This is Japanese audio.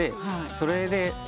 それで。